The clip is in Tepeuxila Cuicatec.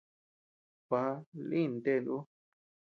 Gua, lïn ten ú.